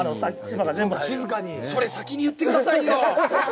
それ、先に言ってくださいよ。